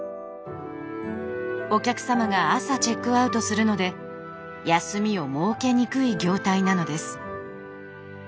お客様が朝チェックアウトするので休みを設けにくい業態なのです。